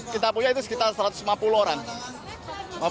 kita punya itu sekitar satu ratus lima puluh orang